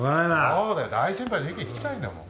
そうだよ大先輩の意見聞きたいんだもん。